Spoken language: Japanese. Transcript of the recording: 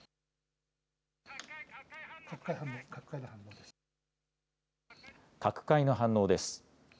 各界の反応です。